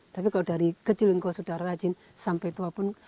tapi kalau dari kecil engkau sudah rajin sampai tua pun